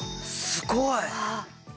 すごい！